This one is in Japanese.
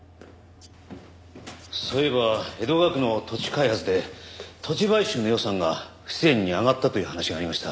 そういえば江戸川区の土地開発で土地買収の予算が不自然に上がったという話がありました。